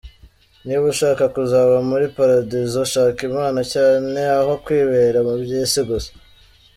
Niba ushaka kuzaba muli Paradizo, shaka imana cyane, aho kwibera mu byisi gusa.